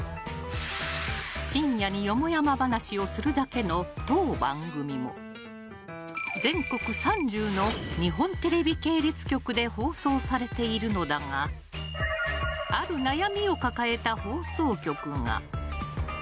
深夜によもやま話をするだけの当番組も全国３０の日本テレビ系列局で放送されているのだがある悩みを抱えた放送局が。